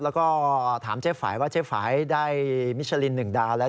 แล้วก็ถามเจ๊ฝัยว่าเจ๊ฝัยได้มิชลิน๑ดาวแล้ว